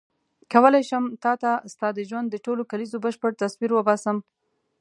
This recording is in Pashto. کولای شم تا ته ستا د ژوند د ټولو کلیزو بشپړ تصویر وباسم.